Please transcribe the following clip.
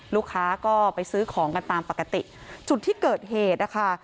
ลูกค้าก็ไปซื้อของกันตามปกติจุดที่เกิดเหตุนะคะ